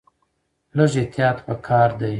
لږ احتیاط په کار دی.